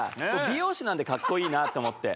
美容師なんてかっこいいなって思って。